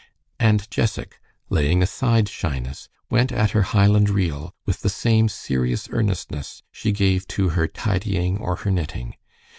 And Jessac, laying aside shyness, went at her Highland reel with the same serious earnestness she gave to her tidying or her knitting.